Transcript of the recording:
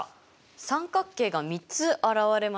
三角形が３つ現れましたね。